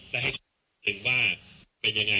ได้ให้ความรู้สึกว่าเป็นอย่างไร